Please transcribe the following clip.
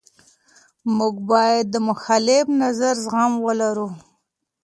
موږ باید د مخالف نظر زغم ولرو.